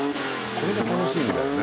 これが楽しいんだよね